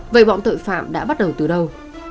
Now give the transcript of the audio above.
vậy bọn tội phạm đã bắt đầu từ đâu